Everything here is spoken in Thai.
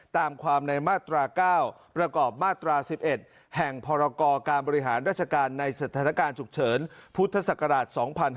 ตามความในมาตรา๙ประกอบมาตรา๑๑แห่งพรกรการบริหารราชการในสถานการณ์ฉุกเฉินพุทธศักราช๒๕๕๙